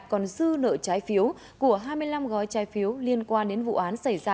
còn dư nợ trái phiếu của hai mươi năm gói trái phiếu liên quan đến vụ án xảy ra